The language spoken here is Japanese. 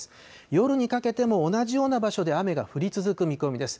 夜にかけても同じような場所で雨が降り続く見込みです。